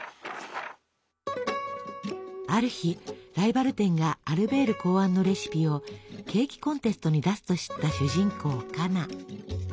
ある日ライバル店がアルベール考案のレシピをケーキコンテストに出すと知った主人公カナ。